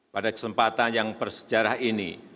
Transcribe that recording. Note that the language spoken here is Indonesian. pada kesempatan yang bersejarah ini